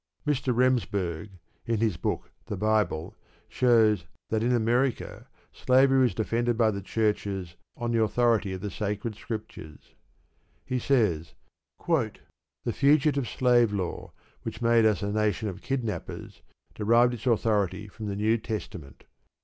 Mr. Remsburg, in his book, The Bible, shows that in America slavery was defended by the churches on the authority of the sacred Scriptures. He says: The Fugitive Slave law, which made us a nation of kidnappers, derived its authority from the New Testament.